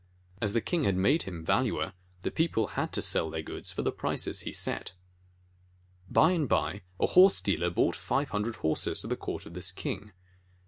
As the king had made him Valuer, the people had to sell their goods for the price he set. By and by a horse dealer brought five hundred horses to the court of this king.